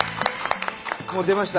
もう出ました。